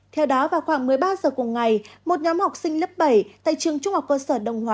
theo đó vào khoảng một mươi ba giờ cùng ngày một nhóm học sinh lớp bảy tại trường trung học cơ sở đông hòa